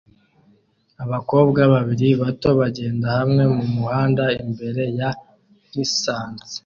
Abakobwa babiri bato bagenda hamwe mumuhanda imbere ya lisansi